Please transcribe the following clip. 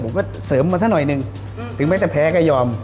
ผมก็เสริมมาสักหน่อยหนึ่งถึงแม้จะแพ้ก็ยอม